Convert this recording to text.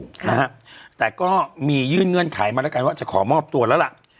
ค่ะนะฮะแต่ก็มียื่นเงื่อนไขมาแล้วกันว่าจะขอมอบตัวแล้วล่ะ